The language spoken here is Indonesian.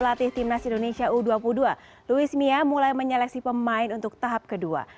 pelatih timnas indonesia u dua puluh dua louis mia mulai menyeleksi pemain untuk tahap kedua